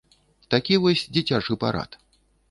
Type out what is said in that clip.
Такі вось дзіцячы парад.